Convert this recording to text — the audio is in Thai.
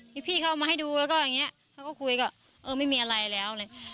พี่เขาเอามาให้ดูแล้วก็อย่างเงี้ยเขาก็คุยกับเออไม่มีอะไรแล้วอะไร